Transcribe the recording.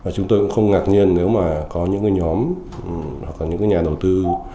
chúng tôi cũng không ngạc nhiên nếu mà có những nhóm hoặc là những nhà đầu tư